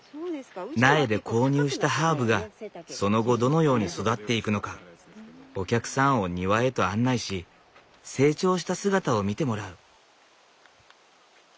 苗で購入したハーブがその後どのように育っていくのかお客さんを庭へと案内し成長した姿を見てもらう。